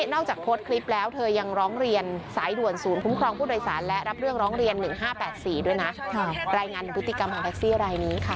๑๕๘๔ด้วยนะรายงานพฤติกรรมของแท็กซี่รายนี้ค่ะ